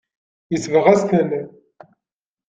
Yesbeɣ-as-ten.